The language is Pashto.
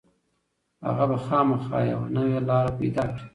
هغه به خامخا یوه نوې لاره پيدا کړي.